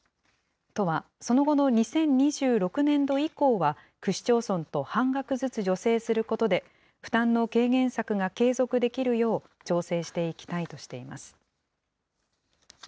都はその後の２０２６年度以降は、区市町村と半額ずつ助成することで、負担の軽減策が継続できるよう調整していきたいとしています。